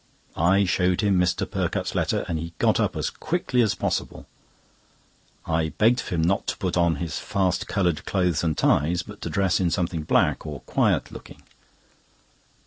I showed him Mr. Perkupp's letter, and he got up as quickly as possible. I begged of him not to put on his fast coloured clothes and ties, but to dress in something black or quiet looking.